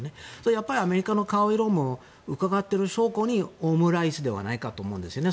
やっぱりアメリカの顔色もうかがってる証拠にオムライスではないかと思うんですよね。